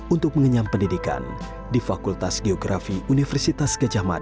untuk mengenyam pendidikan di fakultas geografi universitas gajah mada